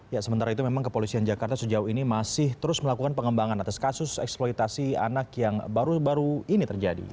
ya sementara itu memang kepolisian jakarta sejauh ini masih terus melakukan pengembangan atas kasus eksploitasi anak yang baru baru ini terjadi